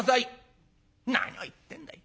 何を言ってんだい。